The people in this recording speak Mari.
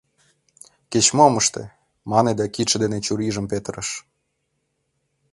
Кеч-мом ыште!.. — мане да кидше дене чурийжым петырыш.